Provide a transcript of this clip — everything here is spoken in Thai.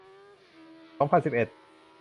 สองพันสิบเอ็ด